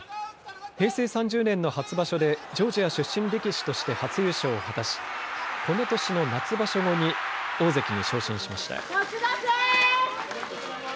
平成３０年の初場所でジョージア出身力士として初優勝を果たしこの年の夏場所後に大関に昇進しました。